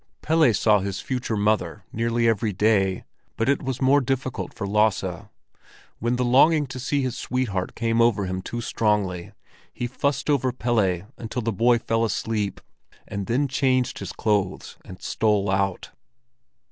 Pelle saw his future mother nearly every day, but it was more difficult for Lasse. When the longing to see his sweetheart came over him too strongly, he fussed over Pelle until the boy fell asleep, and then changed his clothes and stole out.